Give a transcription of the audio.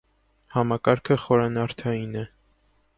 Համակարգը խորանարդային է։